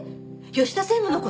吉田専務の事？